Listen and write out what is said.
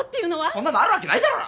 そんなのあるわけないだろ！